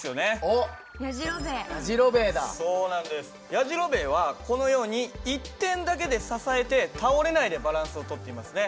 やじろべえはこのように１点だけで支えて倒れないでバランスを取っていますね。